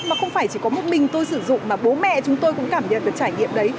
mà không phải chỉ có một mình tôi sử dụng mà bố mẹ chúng tôi cũng cảm nhận được trải nghiệm đấy